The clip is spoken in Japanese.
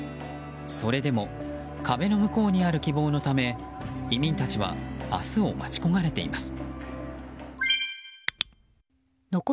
それでも壁の向こうにある希望のため移民たちは明日を待ち焦がれています。